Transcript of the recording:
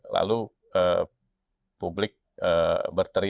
lalu publik berpikir